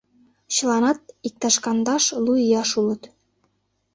Чыланат иктаж кандаш — лу ияш улыт.